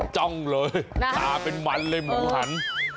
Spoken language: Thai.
จ้องเลยหน้าตาเป็นมันเลยหมูหัน